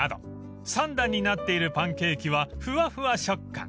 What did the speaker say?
［３段になっているパンケーキはふわふわ食感］